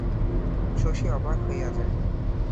শশী অবাক হইয়া যায়।